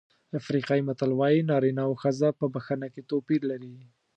افریقایي متل وایي نارینه او ښځه په بښنه کې توپیر لري.